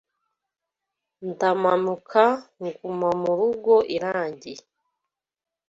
Ndamanuka gumamurugo irangiye.